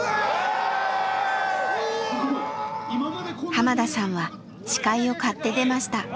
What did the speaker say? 濱田さんは司会を買って出ました。